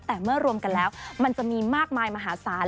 แต่เมื่อรวมกันแล้วมันจะมีมากมายมหาศาล